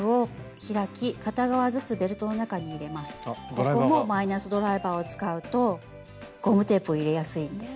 ここもマイナスドライバーを使うとゴムテープを入れやすいんです。